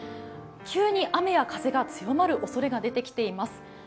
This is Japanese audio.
急に雨や風が強まるおそれが出てきています。